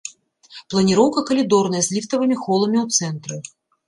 Планіроўка калідорная з ліфтавымі холамі ў цэнтры.